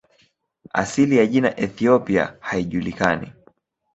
Asili ya jina "Ethiopia" haijulikani.